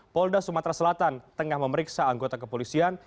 polda sumatera selatan tengah memeriksa anggota kepolisian